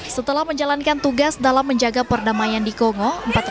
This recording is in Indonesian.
setelah menjalankan tugas dalam menjaga perdamaian di kongo